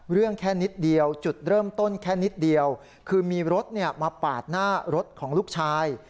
แค่นิดเดียวจุดเริ่มต้นแค่นิดเดียวคือมีรถมาปาดหน้ารถของลูกชาย